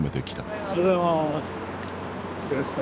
おはようございます。